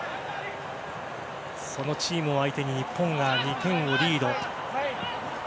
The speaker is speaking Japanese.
そのチームを相手に日本が２点をリード。